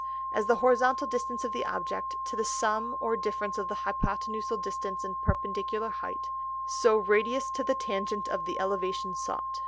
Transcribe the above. _ As the Horizontal Distance of the Object, to the Sum or Difference of the Hypothenusal Distance and Perpendicular Height: So Radius to the Tangent of the Elevation sought.